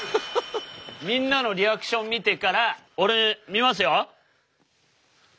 みんなのリアクション見てから俺見ますよ。